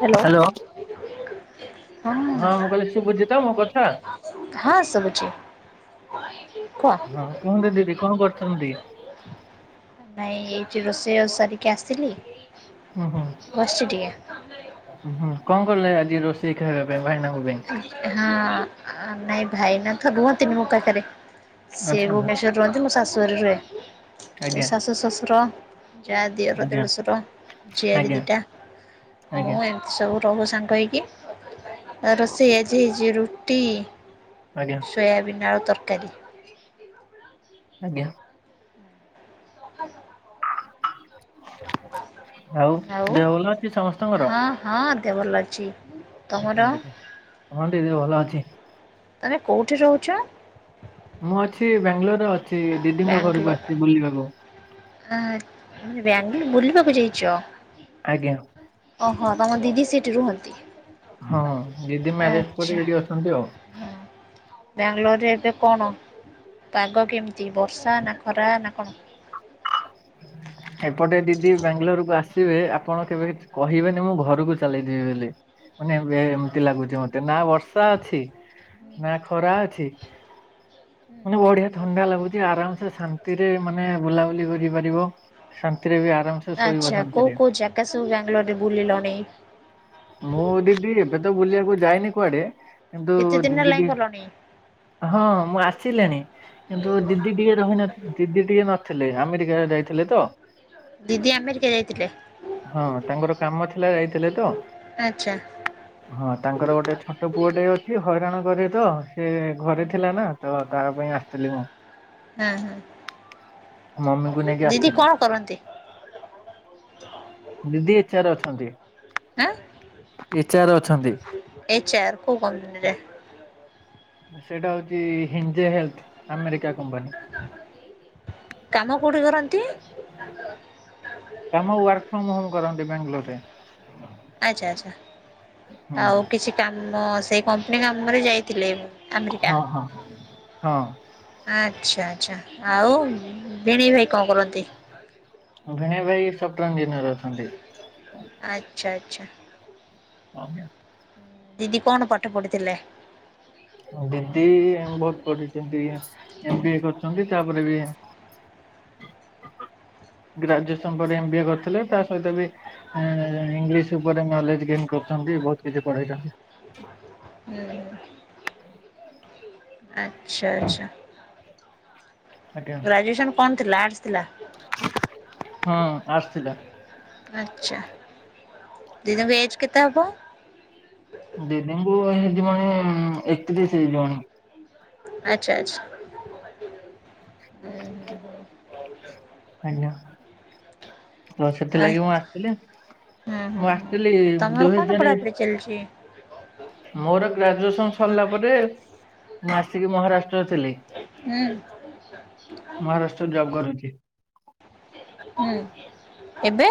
Hello. ହଁ ମୁଁ କହିଲି ଶୁଭୁଛି ତ ମୋ କଥା ହଁ ଶୁଭୁଛି। କୁହ? ହଁ କୁହନ୍ତୁ ଦିଦି କଣ କରୁଛନ୍ତି? ନାଇଁ ଏଇଠି ରୋଷେଇ ସାରିକି ଆସିଲି ହୁଁ ହୁଁ ବସିଛି ଟିକେ। ହୁଁ କଣ କଲେ ଆଜି ରୋଷେଇ ଖାଇବା ପାଇଁ ଭାଇନା ହୋ ପାଇଁ? ହଁ ନାଇଁ ଭାଇ ନାଥ ରୁହନ୍ତିନି ମୋ ପାଖରେ ସେ ଆଚ୍ଛା ଭୁବନେଶ୍ୱର ରୁହନ୍ତି ମୋ ଶାଶୁ ଘରେ ରୁହେ ଆଜ୍ଞା ଶାଶୁ ଶ୍ୱଶୁର ଯା ଦିଅର ଆଜ୍ଞା ଦେଢ଼ଶୁର ଝିଆରୀ ଆଜ୍ଞା ଦିଇଟା ଆଜ୍ଞା ମୁଁ ଏ ସବୁ ରହୁ ସାଙ୍ଗ ହେଇକି ଆ ରୋଷେଇ ଆଜି ହେଇଛି ରୁଟି ଆଜ୍ଞା। ସୋୟାବିନ୍ ଆଳୁ ତରକାରୀ। ଆଜ୍ଞା। [unintelligible] ଆଉ ଦେହ ଭଲ ଅଛି ସମସ୍ତଙ୍କର? ହଁ ହଁ ଦେହ ଭଲ ଅଛି। ତମର [unintelligible] ହଁ ଦିଦି ଭଲ ଅଛି। ଆରେ କଉଠି ରହୁଛ? ମୁଁ ଅଛି ବାଙ୍ଗାଲୋରରେ ଅଛି ଦିଦିଙ୍କ ଘରକୁ ଆସିଛି ବୁଲିବାକୁ। ଆ ବିଆଙ୍ଗଲୋର ବୁଲିବାକୁ ଜାଇଚ? ଆଜ୍ଞା। ଅହ ତମ ଦିଦି ସେଇଠି ରୁହନ୍ତି। ହଁ ଦିଦି ମ୍ୟାରେଜ ପରେ ଆଚ୍ଛା ଏଇଠି ଅଛନ୍ତି ଆଉ। ବ୍ୟାଙ୍ଗଲୋରରେ ଏବେ କଣ ପାଗ କେମିତି ବର୍ଷା ନା ଖରା ନା କଣ? [unintelligible] ଏପଟେ ଦିଦି ବାଙ୍ଗାଲୋରକୁ ଆସିବେ ଆପଣ କେବେ କିଛି କହିବେନି ମୁଁ ଘରକୁ ଚାଲିଯିବି ବୋଲି। ମାନେ ବେ ଏମିତି ଲାଗୁଚି ମତେ ନା ବର୍ଷା ଅଛି। ନା ଖରା ଅଛି। ମାନେ ବଢିଆ ଥଣ୍ଡା ଲାଗୁଚି ଆରାମ ସେ ଶାନ୍ତିରେ ମାନେ ବୁଲାବୁଲି କରି ପାରି ରିବ ଶାନ୍ତିରେ ବି ଆରାମ ଆଚ୍ଛା କୋଉ କୋଉ ଜାଗା ସବୁ ବାଙ୍ଗାଲୋର ରେ ବୁଲିଲଣି? ମୁଁ ଦିଦି ଏବେ ତ ବୁଲିବାକୁ ଯାଇନି କୁଆଡେ କିନ୍ତୁ କେତେ ଦିନ ଦିଦି ହେଲାଣି ଟିକେ ଗଲଣି? ହଁ ମୁଁ ଆସିଲିଣି କିନ୍ତୁ ଦିଦି ଟିକେ ରହିନ ଦିଦି ଟିକେ ନଥିଲେ ଆମେରି କା ଯାଇଥିଲେ ତ। ଦିଦି ଆମେରିକା ଯାଇଥିଲେ? ହଁ ତାଙ୍କର କାମ ଥିଲା ଯାଇଥିଲେ ତ। ଆଛା। ହଁ ତାଙ୍କର ଗୋଟେ ଛୋଟ ପୁଅ ଟେ ଅଛି ହଇରାଣ କରେ ତ ସେ ଘରେ ଥିଲା ନା ତ ତାହା ପାଇଁ ଆସିଥିଲି ମୁଁ। ହଁ ହଁ। ଗୁ ନେଇକି ଦିଦି ଆସିଥିଲି କଣ କରନ୍ତି? ଦିଦି ଏଚ୍ ଆ ର ଅଛନ୍ତି। ଆଁ ଏଚ ଆର ଅଛନ୍ତି। ଏଚ ଆର କଉ କମ୍ପାନୀରେ? ସେଇଟା ହଉଛି ହିଞ୍ଜେ ହେଲ୍ଥ ଆମେରିକା କମ୍ପାନୀ। କାମ କୋଉଠି କରନ୍ତି? କାମ ୱାର୍କ ଫ୍ରମ ହୋମ କରନ୍ତି ବାଙ୍ଗାଲୋରରେ। ଆଚ୍ଛା ଆଚ୍ଛା ହୁଁ ଆଉ କିଛି କାମ ସେଇ କମ୍ପାନୀ କାମରେ ଯାଇଥିଲେ। ଆମେରିକା। ହଁ ହଁ ହଁ ଆଚ୍ଛା ଆଚ୍ଛା ଆଉ ଭିଣେଇ ଭାଇ କଣ କରନ୍ତି? ଭିଣେଇ ଭାଇ ଏଇ ସଫ୍ଟର ଇଞ୍ଜିନିୟର ଅଛନ୍ତି। ଆଚ୍ଛା ଆଚ୍ଛା। ଓ ଜ୍ଞା। ଦିଦି କଣ ପାଠ ପଢିଥିଲେ? ଦିଦି ବହୁତ ପଢିଛନ୍ତି ଏମ ବି ଏ କରିଛନ୍ତି ତାପରେ ବି ଗ୍ରାଜୁଏସନ ପରେ ଏମ ବି ଏ କରିଥିଲେ ତା ସହିତ ବି ଏଁ ଇଂଲିଶ ଉପରେ ନଲେଜ ଗେନ୍ କରୁଛନ୍ତି ବହୁତ କିଛି ପଢେଇଛନ୍ତି। ହୁଁ। ଆଛା ଆଛା। ଆଜ୍ଞା ଗ୍ରାଜୁଏସନ କଣ ଥିଲା ଆଟସ୍ ଥିଲା। ହଁ ଆର୍ଟ୍ସ ଥିଲା। ଆଛା ଦିଦିଙ୍କୁ ଏଜ କେତେ ହବ? ଦିଦିଙ୍କୁ ହେଇଯିବଣି ଏକତିରିଶି ହେଇଯିବଣି। ଆଛା ଆଛା। ହୁଁ ହୁଁ। ଆଜ୍ଞା। ଆଉ ସେଥିଲାଗି ମୁଁ ଆସିଥିଲି ମୁଁ ଆସିଥିଲି ଦୁଇ ହଜାରେ ଚାଲିଚି। ମୋର ଗ୍ରାଜୁଏସନ ସରିଲା ପରେ ମୁଁ ଆସିକି ମହାରାଷ୍ଟ୍ରରେ ଥିଲି। ହୁଁ ମହାରାଷ୍ଟ୍ରରେ ଜବ କରୁଚି। ହୁଁ ଏବେ।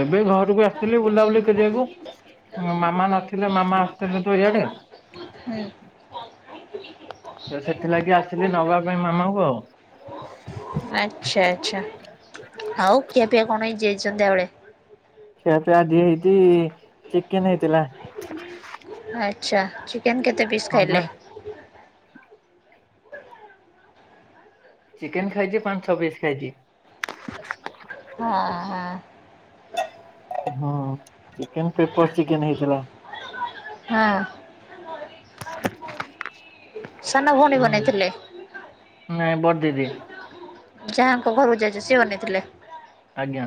ଏବେ ଘରକୁ ଆସିଥିଲି ବୁଲାବୁଲି କରିବାକୁ ମାମା ନଥିଲେ [inaudible] ମାମା ଆସୁଥିଲେ ତ ଇଆଡେ? ହୁଁ। ତ ସେଥିଲାଗି ଆସିଲି ନବା ପାଇଁ ମାମାଙ୍କୁ ଆଉ। ଆଛା ଆଛା ଆଉ ଖିଆ ପିଆ କଣ ହେଇଚି ଆଜି ସନ୍ଧ୍ୟାବେଳେ? ଖିଆ ପିଆ ଆଜିି ହେଇଛି ଚିକେନ ହେଇଥିଲା। ଆଛା ଚିକେନ କେତେ ପିସ୍ ସନ୍ଧ୍ୟା ଖାଇଲେ? ଚିକେନ ଖାଇଛି ପାଞ୍ଚ ଛ ପିସ୍ ଖାଇଛି। ହଁ ହଁ। ହଁ ଚିକେନ ପେପର୍ ଚିକେନ ହେଇଥିଲା। ହଁ। ସାନ ଭଉଣୀ ହୁଁ ବନେଇଥିଲେ? ନାଇଁ ବଡ ଦିଦି ଯାହାଙ୍କ ଘରକୁ ଯାଇଚ ସିଏ ବନେଇଥିଲେ? ଆଜ୍ଞା।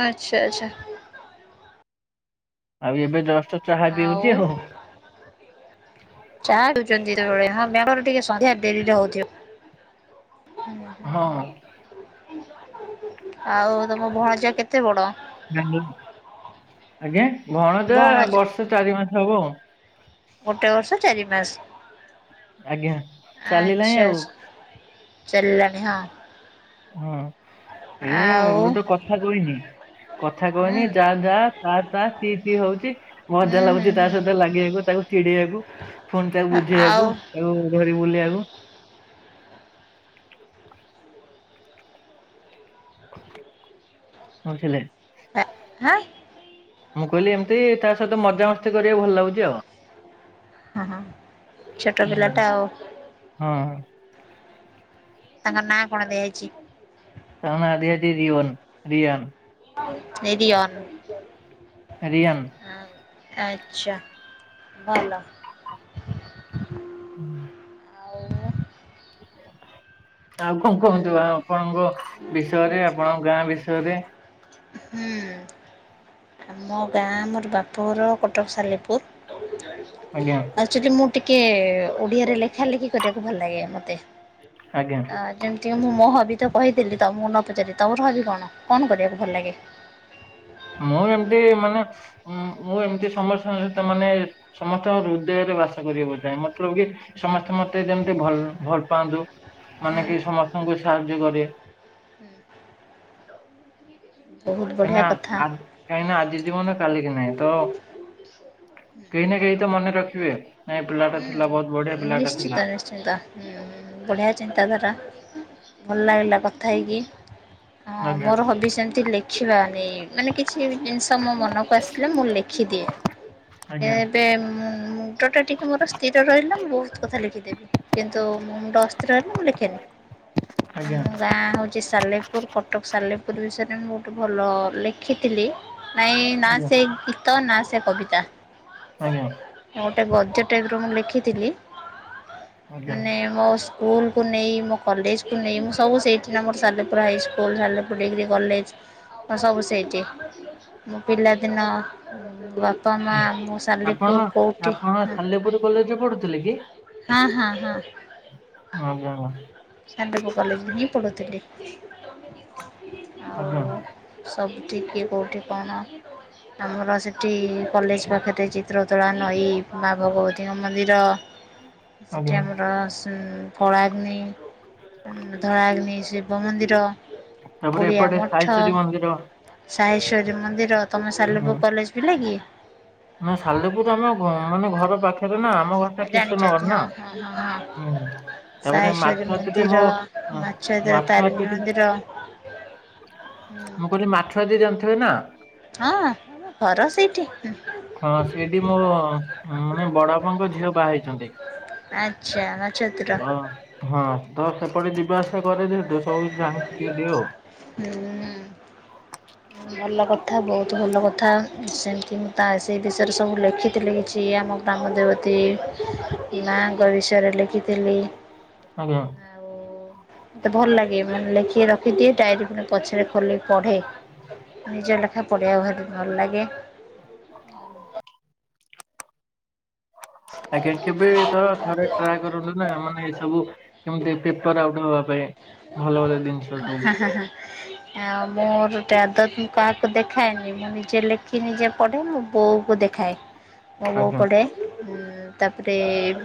ଆଛା ଆଛା। ଆଉ ଏବେ ଜଷ୍ଟ୍ ଆଉ। ଚାହା ଦଉଛନ୍ତି ଯେତବେଳେ ହଁ ବେଙ୍ଗ ର ଟିକେ ସନ୍ଧ୍ୟା ଡେରିରେ ହଉଥିବ। ହଁ। ଆଉ ତମ ଭଣଜା କେତେ ବଡ? ବେଙ୍ଗଲୋ ଆଜ୍ଞା ଭଣଜା ଭଣଜ ବର୍ଷେ ଚାରି ମାସ ହବ। ଗୋଟେ ବର୍ଷ ଚାରି ମାସ ଆଜ୍ଞା। ଚାଲିଲାଣି ଆଛା ଆଛା। ଆଉ ଚାଲାଣି ହଁ। ହଁ ଏ ଆଉ ଏବେ ତ କଥା କହିନି କଥା ହୁଁ କହନି ଯା ଯା। ତା ତା ତି ତୀ ହଉଛି। ହୁଁ ମଜା ହୁଁ ଲାଗୁଛି ତା ହୁଁ ସହିତ ଲାଗିବାକୁ ତାକୁ ଛିଡେଇବାକୁ ଫୁଣି ତାକୁ ଆଉ ବୁଝେଇବାକୁ। ଆଉ ଧରି ବୁଲ ଆକୁ। ପହଞ୍ଚିଲେ। ନା ହଁ। ମୁଁ କହିଲି ଏମିତି ତା ସହିତ ମଜାମସ୍ତି କରିବାକୁ ଭଲ ଲାଗୁଛି ଆଉ। ହ ହଁ ଛୋଟ ହୁଁ, ପିଲା ଟା ଆଉ। ହଁ। ତାଙ୍କ ନାଁ କଣ ଦିଆଇଛି? ତା ନା ଆଦି ଆଦି ଜିରିଓନ ରିଓନ। ରିଓନ। ରିଅନ୍। ଆଚ୍ଛା ଭଲ। ହୁଁ ଆଉ ହ ଆଉ କଣ କୁହନ୍ତୁ ହୁଁ ଆପଣଙ୍କ ବିଷୟରେ ଆପଣଙ୍କ ଗାଆଁ ବିଷୟରେ? ହୁଁ। ଆ ମୋ ଗାଆଁ ମୋର ବାପଘର କଟକ ସାଲେପୁର ଆଜ୍ଞା ଆଉ ଯଦି ମୁଁ ଟିକେ ଓଡିଆରେ ଲେଖାଲେଖି କରିବାକୁ ଭଲ ଲାଗେ ମତେ। ଆଜ୍ଞା। ଅ-ଅ ଯେମିତି ମୁଁ ମୋ ହବି ତ କହିଦେଲି ତ ମୁଁ ନ ପଚାରି ତମର ହବି କଣ, କଣ କରିବାକୁ ଭଲ ଲାଗେ? ମୁଁ ଏମିତି ମାନେ ମୁଁ-ମୁଁ ଏମିତି ସମସ୍ତଙ୍କ ସହିତ ମାନେ ସମସ୍ତଙ୍କ ହୃଦୟରେ ବାସ କରିବାକୁ ଚାହେଁ, ମତଲବ କି ସମସ୍ତେ ମତେ ଯେମିତି ଭଲ୍ ଭଲ ପାଆନ୍ତୁ ମାନେ କି ସମସ୍ତଙ୍କୁ ସାହାଯ୍ୟ କରେ। ହୁଁ ବହୁତ କାହିଁନା ବଢ଼ିଆ ଆ କଥା କାହିଁକିନା ଆଜି ଜୀବନ କାଲିକି ନାହିଁ ତ କେହି ନା କେହି ତ ମନେ ରଖିବେ ନାଇଁ ଏ ପିଲାଟା ଥିଲା ବହୁତ ବଢିଆ ପିଲାଟା ଥିଲା। ହୁଁ-ଉଁ-ଉଁ-ଉଁ ବଢ଼ିଆ ଚିନ୍ତାଧାରା ଭଲ ଲାଗିଲା କଥା ହେଇକି। ହଁ-କ-ଅ ଆଜ୍ଞା ମୋର ହବି ସେମତି ଲେଖିବା ନି ମାନେ କିଛି ଜିନିଷ ମୋ ମନକୁ ଆସିଲା ମୁଁ ଲେଖ୍ ଖିଦିଏ, ଆଜ୍ଞା ଏବେ ମୁଁ-ମୁଁ ଟିକେ ମୋର ସ୍ଥିର ରହିଲେ ମୁଁ ବହୁତ କଥା ଲେଖିଦେବି କିନ୍ତୁ ମୁଁ ମୁଣ୍ଡ ଅସ୍ଥିର ରହିଲେ ମୁଁ ଲେଖେନି। ଆଜ୍ଞା ଆମ ଗାଁ ହଉ ଛି ସାଲେପୁର କଟକ ସାଲେପୁର ବିଷୟରେ ମୁଁ ଗୋଟେ ଭଲ-ଅ-ଅ ଲେଖିଥିଲି। ନାଇଁ ନା ଆଜ୍ଞା ସେ ଗୀତ ନା ସେ କବିତା। ଆଜ୍ଞା। ଗୋଟେ ଗଦ୍ୟ ଟାଇପର ମୁଁ ଲେଖିଥିଲି ଆଜ୍ଞା ମାନେ ମୋ ସ୍ ସ୍କୁଲକୁ ନେଇ ମୋ କଲେଜକୁ ନେଇ ମୁଁ ସବୁ ସେଇଠି ନା ମୋର Salepur high school Salepur degree college. ହଁ ସବୁ ସେଇଠି ମୋ ପିଲାଦିନ ବାପ ବାପା ହୁଁ। ମାଆ ମୁଁ ଆପଣ ସାାଲେପୁର କୋଉଠି ଆପଣ ସାଲେପୁର କଲେଜରେ ପଢୁଥିଲେ କି? ହାଁ-ହାଁ-ହାଁ। ଆଉ କଣ? ସାଲେପୁର କଲେଜରେ ହିଁ ପଢୁଥିଲି। ଆଜ୍ଞା। ସବଜି କି କୋଉଠି କଣ ଆମର ସେଠି କଲେଜ ପାଖରେ ଚିତ୍ରତୋଳା ନଈ ମାଆ ଭଗବତୀଙ୍କ ମନ୍ଦିର ଆଜ୍ଞା। ସେଠି ଆମର ସ୍ ଫଳାଗ୍ନି ଧଳାଗ୍ନି, ଶିବ ମନ୍ଦିର, ତାପରେ ଓଡ଼ିଆ ଏପଟେ ମଠ ସାଇଶ୍ଵରୀ ମନ୍ଦିର ସାହେଶ୍ଵରୀ ମନ୍ଦିର ତମେ ହୁଁ। ସାଲପୁର କଲେଜ ପିଲା କି? ନା ସାଲେପୁର ଆମ ଘ ମାନେ ଘର ପାଖ୍ [inaudible] ଆମ ଘରଟା କିଶନ ଜାଣିଛନ୍ତି ନଗର ନା ହଁ ହଁ ହଁ ହଁ ହୁଁ। ତାପରେ ସାହେଶ୍ଵରୀ ମାଛୁଆତିରେ ମନ୍ଦିର ମୋ ଅଁ ମାଛଧର ତାରିଣୀ ମାଛୁଆତିରେ ମନ୍ଦିର ହଁ ମୁଁ କହିଲି ମାଛୁଆତି ଜାଣିଥିବେ ନା? ହଁ ଆମ ଘର ସେଇଠି। ହଁ ସେଇଠି ମୋ-ଅ-ଅ ମାନେ ବଡ ବାପାଙ୍କ ଝିଅ ବାହା ହେଇଛନ୍ତି। ଆଚ୍ଛା, ମାଛୁଆତିର। ତ ହଁ, ତ ସେପଟେ ଯିବା ଆସିବା କରେ ଯେହେତୁ ସବୁ କିଛି ଜଣିଛି ଟିକେ-ଟିକେ ଆଉ। ହୁଁ। ଭଲ କଥା ବହୁତ ଭଲ କଥା ସେମିତି ମୁଁ ତା ସେଇ ବିଷୟରେ ସବୁ ଲେଖିଥିଲି କିଛି ଆମ ଗ୍ରାମ ଦେବତୀ ମାଙ୍କ ବିଷୟରେ ଲେଖିଥିଲି। ଆଜ୍ଞା। ଆଉ ମତେ ଭଲ ଲାଗେ ମାନେ ଲେଖିକ ରଖିଦିଏ ଡାଏରୀ ପୁଣି ପଛରେ ଖୋଲି ପଢେ। ନିଜ ଲେଖା ପଢିବା ଭାରି ଭଲ ଲାଗେ। ଆଜ୍ଞା କେବେ ତ ଥରେ ଟ୍ରାଏ କରନ୍ତୁ ନା ମାନେ ଏ ସବୁ କେମିତି ପେପର ଆଉଟ୍ ହବା ପାଇଁ ଭଲ ଭଲ ଜିନ ହାଁ ହାଁ ହାଁ। ଆଉ ମୋର ଗୋଟେ ଆଦତ ମୁଁ କାହାକୁ ଦେଖାଏନି ମୁଁ ନିଜେ ଲେଖି ନିଜେ ପଢେ ମୋ ବୋଉ କୁ ଦେ ଖାଏ ମୋ ବୋଉ ଆଜ୍ଞା ପଡ଼େ। ଉଁ ତାପରେ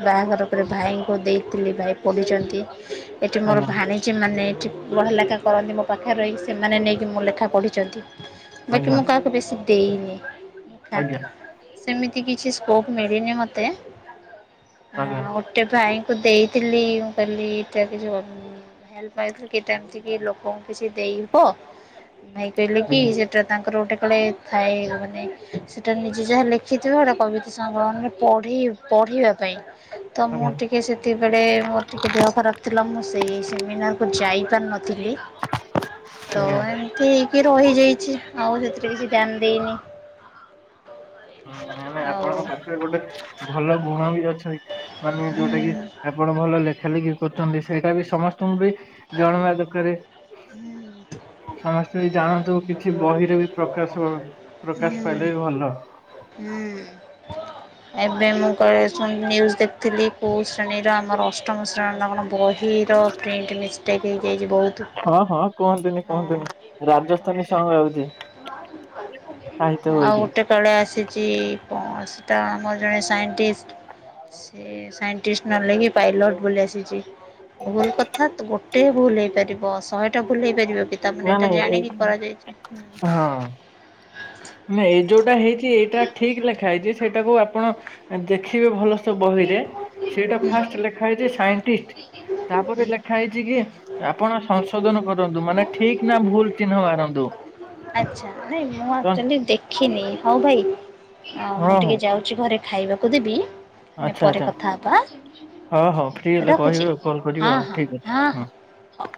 ବାହାଘର ପରେ ଭାଇଙ୍କୁ ଦେଇଥିଲି ଭାଇ ପଢ଼ିଛନ୍ତି। ଏଠି ମୋର ଆଜ୍ଞା ଭାଣିଜୀମାନେ ଏଠି ପୂହ ଲେଖା କରନ୍ତି ମୋ ପାଖରେ ରହିକି ସେମାନେ ନେଇକି ମୋ ଲେଖା ପଢ଼ିଛନ୍ତି ବାକି ଆଜ୍ଞା ମୁଁ କାହା କୁ ବେଶୀ ଦେଇନି କା ଆଜ୍ଞା ସେମିତି କିଛି ସ୍କୋପ ମିଳିନି ମତେ ଆ ଆଜ୍ଞା ଗୋଟେ ଭାଇଙ୍କୁ ଦେଇଥିଲି ମୁ କହିଲି କିଛି ହେଲ୍ପ ପାଇଥିଲି ଏଟା ଏମିତି ଲୋକଙ୍କୁ କିଛି ଦେଇ ହବ ଭାଇ କହିଲେ କି ଆଜ୍ଞା। ସେ ସେଟା ତାଙ୍କର ଗୋଟେ କଳେ ଥାଏ ମାନେ ସେଇଟା ନିଜେ ଯାହା ଲେଖିଥିବ ଗୋଟେ କବିତା ସଂଗଳନରେ ପଢ଼େଇ ପଢିବା ପାଇଁ ତ ମୁଁ ଆଜ୍ଞା ଟିକେ ସେତବେଳେ ମୋର ଟିକେ ଦେହ ଖରାପ ଥିଲା ମୁଁ ସେଇ ସେମିନାର କୁ ଯାଇ ପରିନଥିଲି ତ ଆଜ୍ଞା ଠିକି ରହିଯାଇଛି ଆଉ ସେଥିରେ କିଛି ଧ୍ୟାନ ଦେଇନି। ହୁଁ ନାଇ ନାଇଁ ଆଉ ଆପଣଙ୍କ ପାଖରେ ଗୋଟେ ଭଲ ଗୁଣ ବି ଅଛି। ମାନେ ହୁଁ ଯୋଉଟା କି ଆପଣ ଭଲ ଲେଖା ଲେଖି କରୁଛନ୍ତି ସେଇଟା ବି ସମସ୍ତଙ୍କୁ ବି ଜଣଙ୍ଗ ଦରକାରେ ହୁଁ ସମସ୍ତ ସେ ଜାଣନ୍ତୁ କିଛି ବହିରେ ବି ପ୍ରକାଶ ପ୍ରକାଶ ହୁଁ ପାଇଲେ ବି ଭଲ। ହୁଁ। ଏବେ ମୁଁ କାଳେ ନ୍ୟୁଜ ଦେଖଥିଲି କୋଉ ଶ୍ରେଣୀର ଆମର ଅଷ୍ଟମ ଶ୍ରେଣୀର କଣ ବହି ହିର ପ୍ରିଣ୍ଟ ମିଷ୍ଟେକ୍ ହେଇଯାଇଛି ବହୁତ। ହଁ ହଁ। କୁହନ୍ତୁନି ହଁ କୁହନ୍ତୁନି ରାଜସ୍ଥାନୀ ସଂଙ୍ଗ ଆଉଛି। ଆଉ ଗୋଟେ କାଳେ ଆସିଛି ସେଟା ଆମର ଜଣେ ସାଇଣ୍ଟିଷ୍ଟି ସେ ସାଇଣ୍ଟିଷ୍ଟି ନେଲେଖି ପାଇଲଟ୍ ବୋଲି ଆସିଛି। ଭୁଲ କଥା ତ ଗୋଟେ ଭୁଲ ହେଇପାରିବ ଶହେଟା ଭୁଲ ହେଇପାରିବ କି? ତା ନା ମାନେଏଟା ନାଇଁ ଏଇ ଜାଣିକି କରାଯାଇଛି। ହଁ। ନା ଏଇ ଯୋଉଟା ହେଇଛି ଏଇଟା ଠିକ ଲେଖା ହେଇଛି ସେଇଟାକୁ ଆପଣ ଦେଖିବେ ଭଲ ବହିରେ ସେଟା ହୁଁ ଫାଷ୍ଟ ଲେଖା ହେଇଛି ସାଇଣ୍ଟିଷ୍ଟି ତାପରେ ଲେଖା ହେଇଛି କି? ଆପଣ ସଂଶୋଧନ କରନ୍ତୁ ମାନେ ଠିକ ନା ଭୁଲ ଚିହ୍ନ ମାରନ୍ତୁ। ଆଚ୍ଛା ନାଇ ମୁଁ ଆଚୁଲି ଦେଖିନି ହଉ ଭାଇ ଆ ହଁ ମୁଁ ହଁ ଟିକେ ଯାଉ ଛି ଘରେ ଖାଇବାକୁ ଦେବି। ଆମେ ଆଚ୍ଛା ପରେ ଆଚ୍ଛା କଥା ହେବା ହଁ ହଉ ଫ୍ରି ହେଲେ କହିବେ ରଖୁଛି। ଆଉ କଲ୍ କରିବେ ହଁ ଆଉ ହଁ ଠିକ୍ ଅଛି। ହଁ ହଁ ହଁ। ହଉ।